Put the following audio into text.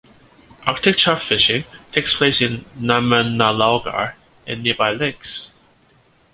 Arctic char fishing takes place in Landmannalaugar and nearby lakes.